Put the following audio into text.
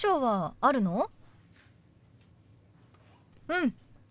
うん。